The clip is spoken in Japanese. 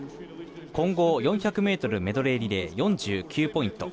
混合４００ｍメドレーリレー４９ポイント。